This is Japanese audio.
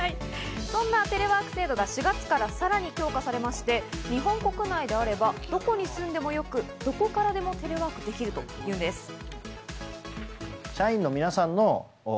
そんなテレワーク制度が４月からさらに強化されまして、日本国内であればどこに住んでもよく、どこからでもテレワークできるというんです。